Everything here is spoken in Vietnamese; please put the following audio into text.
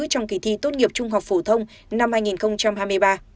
trong kỳ thi tốt nghiệp trung học phổ thông năm hai nghìn hai mươi ba